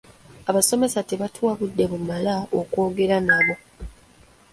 Abasomesa tebaatuwa budde bumala okwogera nabo.